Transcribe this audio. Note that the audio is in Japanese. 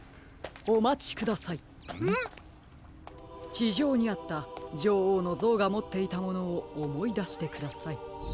ちじょうにあったじょおうのぞうがもっていたものをおもいだしてください。